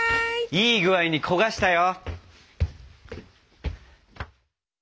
いい具合に焦がしたよ！